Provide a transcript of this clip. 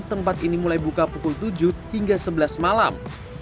tempat ini mulai buka pukul tujuh hingga sebelas malam